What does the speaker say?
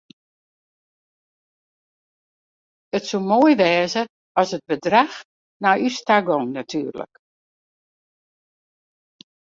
It soe moai wêze at it bedrach nei ús ta gong natuerlik.